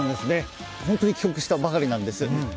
本当に帰国したばかりなんです。